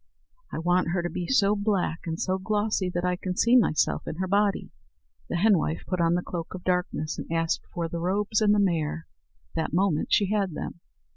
"I want her to be so black and so glossy that I can see myself in her body." The henwife put on the cloak of darkness, and asked for the robes and the mare. That moment she had them.